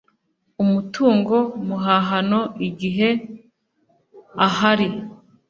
umutungo muhahano igihe ahari.